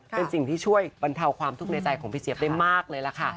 เป็นสิ่งที่ช่วยบรรเทาความทุกข์ในใจของพี่เจี๊ยบได้มากเลยล่ะค่ะ